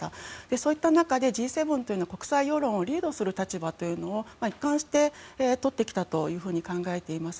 その中でＧ７というのは国際世論をリードする立場を一貫してとってきたというふうに考えています。